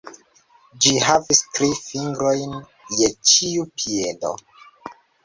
Ĝi havis tri fingrojn je ĉiu piedo.